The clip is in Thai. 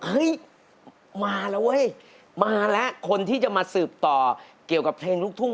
เฮ้ยมาแล้วเว้ยมาแล้วคนที่จะมาสืบต่อเกี่ยวกับเพลงลูกทุ่ง